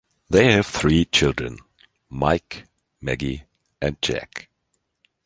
They have three children: Mike, Maggie and Jack.